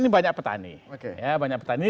ini banyak petani ya banyak petani